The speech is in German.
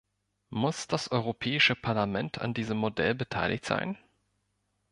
Muss das Europäische Parlament an diesem Modell beteiligt sein?